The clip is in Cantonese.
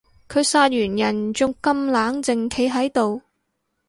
佢殺完人仲咁冷靜企喺度